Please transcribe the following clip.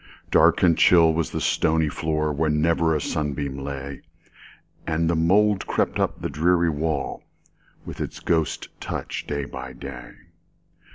Dark and chill was the stony floor, Where never a sunbeam lay, And the mould crept up on the dreary wall, With its ghost touch, day by day.